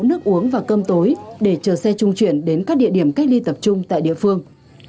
nước uống và cơm tối để chờ xe trung chuyển đến các địa điểm cách ly tập trung tại địa phương